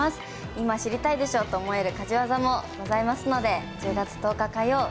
「今知りたいでしょ」と思える家事技もございますので１０月１０日火曜よる９時スタートです。